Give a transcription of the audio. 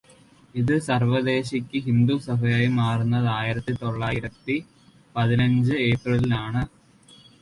ഇത് സാര്വദേശക് ഹിന്ദു സഭയായി മാറുന്നത് ആയിരത്തി തൊള്ളായിരത്തി പതിനഞ്ച് ഏപ്രിലിലാണ്.